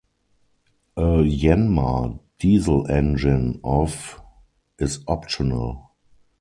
A Yanmar diesel engine of is optional.